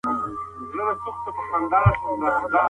موږ باید د انسان عزت وکړو.